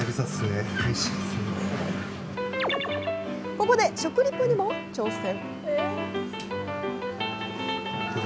ここで食リポにも挑戦。